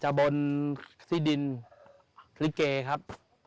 บนที่ดินลิเกครับ